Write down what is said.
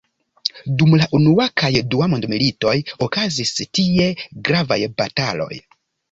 Dum la unua kaj dua mondmilitoj, okazis tie gravaj bataloj.